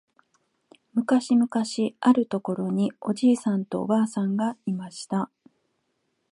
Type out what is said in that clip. むかしむかしあるところにおじいさんとおばあさんがいました。